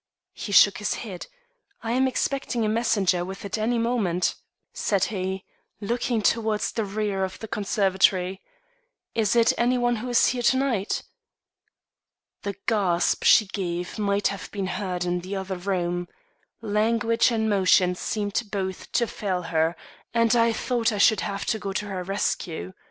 He shook his head. "I am expecting a messenger with it any moment," said he, looking towards the rear of the conservatory. "Is it any one who is here to night?" The gasp she gave might have been heard in the other room. Language and motion seemed both to fail her, and I thought I should have to go to her rescue.